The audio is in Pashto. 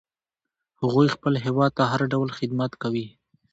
هغوی خپل هیواد ته هر ډول خدمت کوي